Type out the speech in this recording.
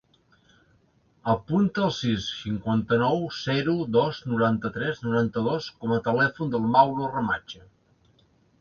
Apunta el sis, cinquanta-nou, zero, dos, noranta-tres, noranta-dos com a telèfon del Mauro Remacha.